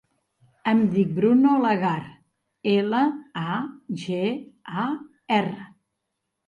Em dic Bruno Lagar: ela, a, ge, a, erra.